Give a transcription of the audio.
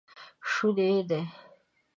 شونی دی